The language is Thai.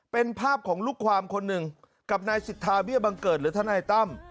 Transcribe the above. เป็นภาพของลูกความคนหนึ่งกับนายสิทธาเบี้ยบังเกิดหรือทนายตั้ม